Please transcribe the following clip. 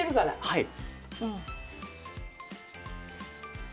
はい。